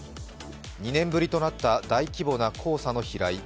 ２年ぶりとなった大規模な黄砂の飛来。